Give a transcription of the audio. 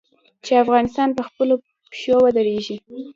چې افغانستان په خپلو پښو ودریږي.